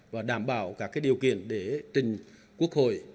và đảm bảo các điều kiện để trình quốc hội